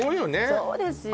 そうですよ